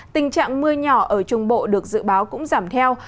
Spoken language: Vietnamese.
tình trạng mưa nhỏ ở trung bộ được dự báo cũng giảm theo